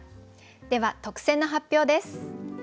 では特選の発表です。